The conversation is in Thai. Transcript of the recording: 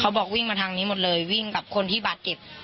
บอกวิ่งมาทางนี้หมดเลยวิ่งกับคนที่บาดเจ็บ